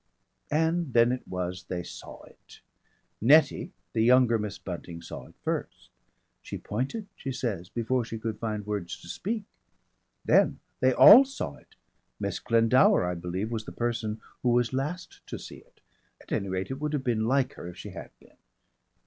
And then it was they saw it. Nettie, the younger Miss Bunting, saw it first. She pointed, she says, before she could find words to speak. Then they all saw it! Miss Glendower, I believe, was the person who was last to see it. At any rate it would have been like her if she had been.